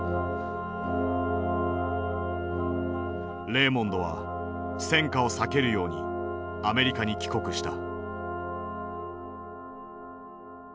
レーモンドは戦禍を避けるようにアメリカに帰国した。